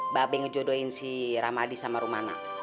babe ngejodohin si ramadi sama rumana